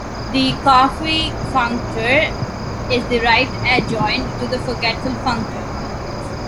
The cofree functor is the right adjoint to the forgetful functor.